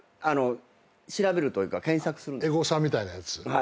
エゴサみたいなやつ？